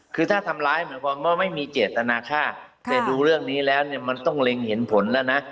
คือถ้าทำร้ายหมายความว่าไม่มีเจตนาค่าแต่ดูเรื่องนี้แล้วเนี่ยมันต้องเล็งเห็นผลแล้วนะ